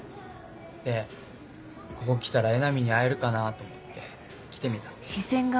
でここ来たら江波に会えるかなぁと思って来てみた。